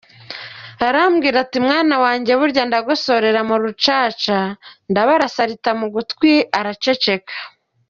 Aramubwira ati “Mwana wanjye, burya ndagosorera mu rucaca!” Ndabarasa arita mu gutwi araceceka.